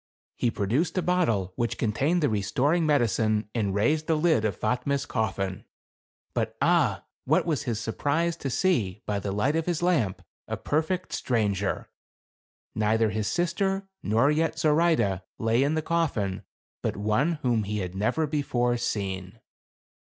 He produced a bottle which contained the restoring medicine, and raised the lid of Fatme's coffin. But ah ! what was his sur prise to see, by the light of his lamp, a perfect 182 THE CAE AVAN. stranger. Neither his sister, nor yet Zoraide, lay in the coffin, but one whom he had never be fore seen.